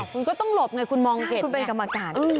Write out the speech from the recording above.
คุณก็ต้องหลบไงคุณมองสิคุณเป็นกรรมการ